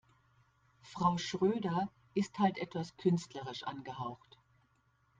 Frau Schröder ist halt etwas künstlerisch angehaucht.